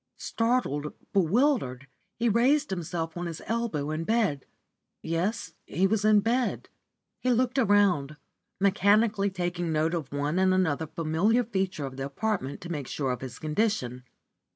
Startled, bewildered, he raised himself on his elbow in bed. Yes, he was in bed. He looked around, mechanically taking note of one and another familiar feature of the apartment to make sure of his condition.